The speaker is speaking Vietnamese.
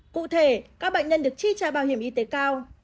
cụ thể các bệnh nhân được chi trả bảo hiểm y tế cao